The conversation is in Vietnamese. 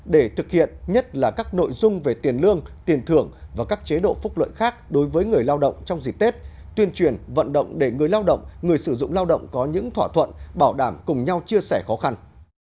để thực hiện nhất là các nội dung về tiền lương tiền thưởng và các chế độ phúc lợi khác đối với người lao động trong dịp tết tuyên truyền vận động để người lao động người sử dụng lao động có những thỏa thuận bảo đảm cùng nhau chia sẻ khó khăn